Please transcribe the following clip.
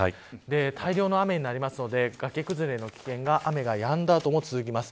大量の雨になるので崖崩れの危険が雨がやんだ後も続きます。